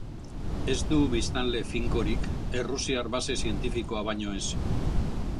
Ez du biztanle finkorik, errusiar base zientifikoa baino ez.